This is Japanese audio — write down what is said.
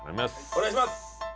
お願いします！